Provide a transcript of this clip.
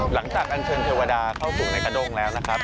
อันเชิญเทวดาเข้าสู่ในกระดงแล้วนะครับ